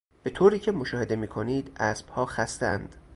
به طوریکه مشاهده میکنید اسبها خستهاند.